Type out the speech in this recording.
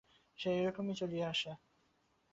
সে একরকম চলিয়াই আসে।